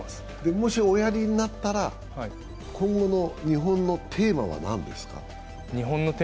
もしおやりになったら今後の日本のテーマは何ですか？